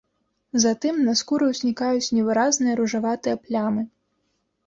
Затым на скуры ўзнікаюць невыразныя ружаватыя плямы.